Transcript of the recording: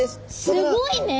すごいね。